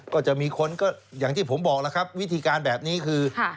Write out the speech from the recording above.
ก็จะมีคนก็อย่างที่ผมบอกแล้วครับวิธีการแบบนี้คือ